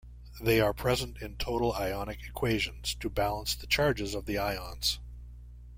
They are present in total ionic equations to balance the charges of the ions.